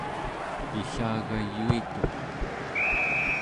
pillagayuituq